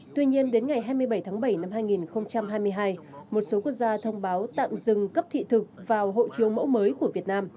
tuy nhiên đến ngày hai mươi bảy tháng bảy năm hai nghìn hai mươi hai một số quốc gia thông báo tạm dừng cấp thị thực vào hộ chiếu mẫu mới của việt nam